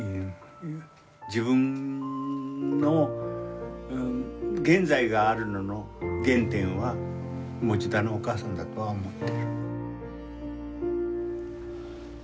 自分の現在がある原点は田のお母さんだとは思ってる。